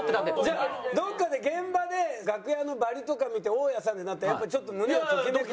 じゃあどっかで現場で楽屋のバリとか見て大家さんってなったらやっぱちょっと胸ときめく？